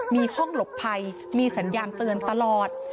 มีห้องหลบภัยมีสัญญาณเตือนตลอด